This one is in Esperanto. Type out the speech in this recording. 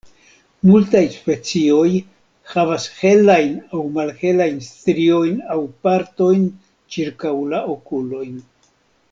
Multaj specioj havas helajn aŭ malhelajn striojn aŭ partojn ĉirkaŭ la okulojn.